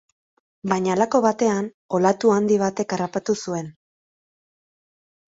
Baina halako batean, olatu handi batek harrapatu zuen.